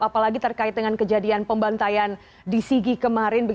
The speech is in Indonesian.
apalagi terkait dengan kejadian pembantaian di sigi kemarin